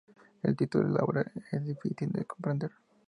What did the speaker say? El título de la obra es difícil de comprender.